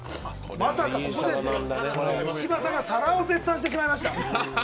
まさかここで石破さんが皿を絶賛してしまいました。